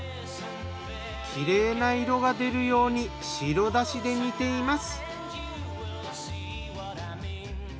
きれいな色が出るように白だしで煮ています。